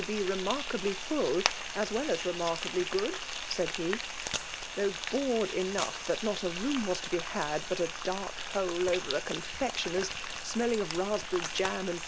t(^ b« f emarkablf fell, as well' ws wmwAiskXf good," said he; though bored enough Ifcat wAi a loom was to he had but a dark hole over a ocafeotioner's, smelling of raspberry jwn and!